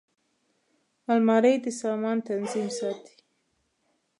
الماري د سامان تنظیم ساتي